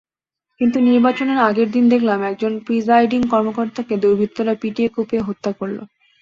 কিন্তু নির্বাচনের আগের দিন দেখলাম, একজন প্রিসাইডিং কর্মকর্তাকে দুর্বৃত্তরা পিটিয়ে-কুপিয়ে হত্যা করল।